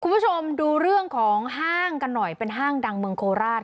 คุณผู้ชมดูเรื่องของห้างกันหน่อยเป็นห้างดังเมืองโคราช